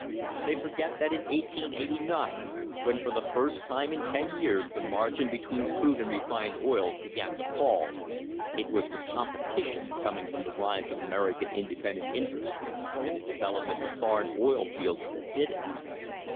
They forget that in 1889, when for the first time in ten years the margin between crude and refined oil began to fall, it was the competition coming from the rise of American independent interests and the development of foreign oil fields that did it.